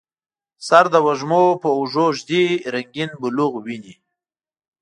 سر د وږمو په اوږو ږدي رنګیین بلوغ ویني